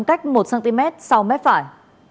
cách một cm sau mết phải